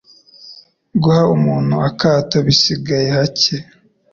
Guha umuntu akato bisigaye hake